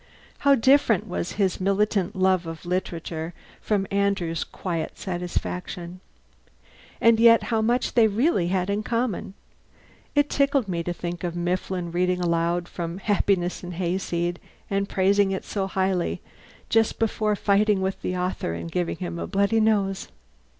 How different was his militant love of literature from Andrew's quiet satisfaction. And yet how much they really had in common! It tickled me to think of Mifflin reading aloud from "Happiness and Hayseed," and praising it so highly, just before fighting with the author and giving him a bloody nose.